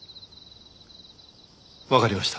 わかりました。